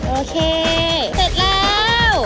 โอเคเสร็จแล้ว